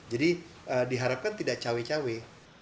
jadi diharapkan tidak cawe cawe